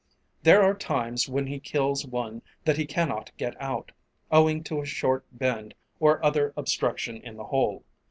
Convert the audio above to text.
There are times when he kills one that he cannot get out, owing to a short bend or other obstruction in the hole.